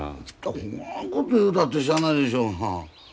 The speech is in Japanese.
ほがなこと言うたってしゃあないでしょうが。